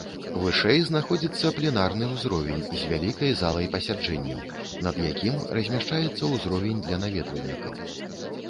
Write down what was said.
Вышэй знаходзіцца пленарны ўзровень з вялікай залай пасяджэнняў, над якім размяшчаецца ўзровень для наведвальнікаў.